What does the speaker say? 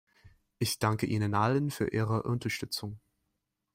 Ich danke Ihnen allen für Ihre Unterstützung.